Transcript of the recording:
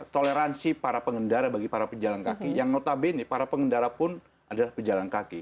toleransi para pengendara bagi para pejalan kaki yang notabene para pengendara pun adalah pejalan kaki